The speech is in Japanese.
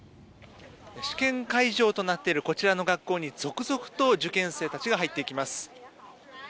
試験会場となっているこちらの学校に続々と受験生たちが入っていきます。